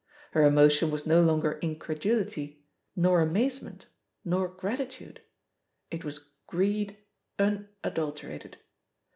Her emotion was no longer incredulity, nor amazement, nor gratitude — ^it was greed unadul terated.